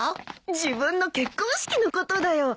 自分の結婚式のことだよ。